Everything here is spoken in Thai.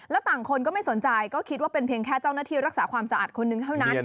แล้วต่างคนก็ไม่สนใจก็คิดว่าเป็นเพียงแค่เจ้าหน้าที่รักษาความสะอาดคนนึงเท่านั้น